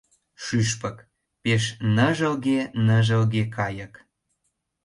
Шӱшпык — пеш ныжылге-ныжылге кайык.